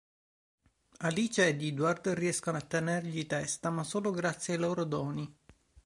Alice e Edward riescono a tenergli testa, ma solo grazie ai loro doni.